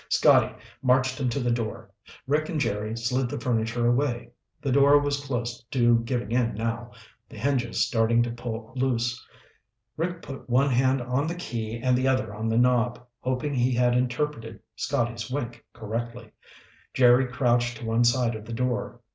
Scotty marched him to the door. Rick and Jerry slid the furniture away. The door was close to giving in now, the hinges starting to pull loose. Rick put one hand on the key and the other on the knob, hoping he had interpreted Scotty's wink correctly. Jerry crouched to one side of the door.